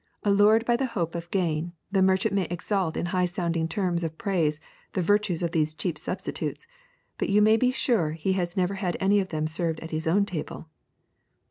COFFEE 179 Allured by the hope of gain, the merchant may exalt in high sounding terms of praise the virtues of these cheap substitutes, but you may be sure he never has any of them served at his own table.